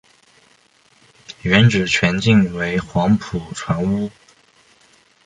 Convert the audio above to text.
原址全境为黄埔船坞。